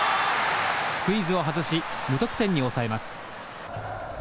スクイズを外し無得点に抑えます。